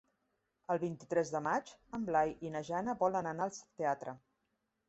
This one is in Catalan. El vint-i-tres de maig en Blai i na Jana volen anar al teatre.